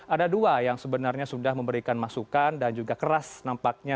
ada dua yang sebenarnya sudah memberikan masukan dan juga keras nampaknya